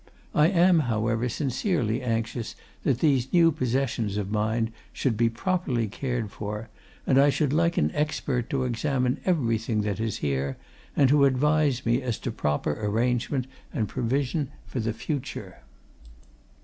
I am, however, sincerely anxious that these new possessions of mine should be properly cared for, and I should like an expert to examine everything that is here, and to advise me as to proper arrangement and provision for the future.